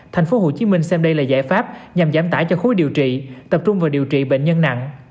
thành phố hồ chí minh xem đây là giải pháp nhằm giảm tải cho khối điều trị tập trung vào điều trị bệnh nhân nặng